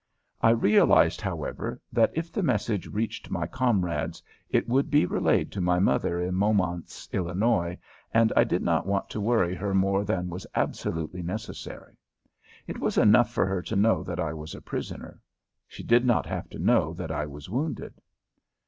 I realized, however, that if the message reached my comrades, it would be relayed to my mother in Momence, Illinois, and I did not want to worry her more than was absolutely necessary. It was enough for her to know that I was a prisoner. She did not have to know that I was wounded.